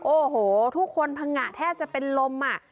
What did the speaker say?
โอ้โหทุกคนพังงะแทบจะเป็นลมอ่ะ